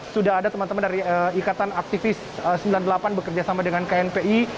sudah ada teman teman dari ikatan aktivis sembilan puluh delapan bekerja sama dengan knpi